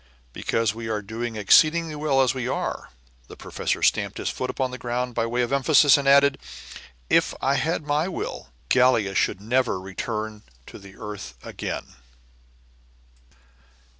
"Because we are doing exceedingly well as we are." The professor stamped his foot upon the ground, by way of emphasis, and added, "If I had my will, Gallia should never return to the earth again!"